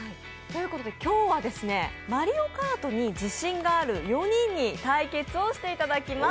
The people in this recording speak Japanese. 今日は「マリオカート」に自信がある４人に対決をしていただきます。